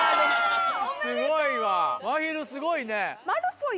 すごいわまひるすごいね。